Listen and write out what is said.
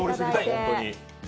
本当に！